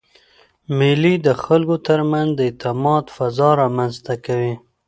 مېلې د خلکو ترمنځ د اعتماد فضا رامنځ ته کوي.